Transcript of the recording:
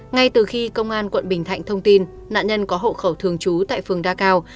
ngay từ khi công an quận bình thạnh thông tin nạn nhân có hộ khẩu thường trú tại phường đa cao